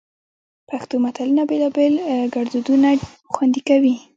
پښتو متلونه بېلابېل ګړدودونه خوندي کوي